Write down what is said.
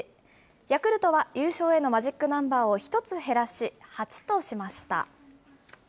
ヤクルトは優勝へのマジックナンバーを１つ減らし、８としました。